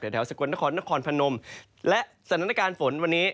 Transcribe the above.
แถวสกลนครนครพนมและสถานการณ์ฝนวันนี้